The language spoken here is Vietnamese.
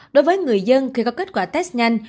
đối với người dân khi có kết quả test nhanh